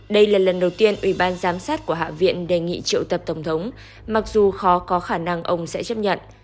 đây là lần đầu tiên ủy ban giám sát của hạ viện đề nghị triệu tập tổng thống mặc dù khó có khả năng ông sẽ chấp nhận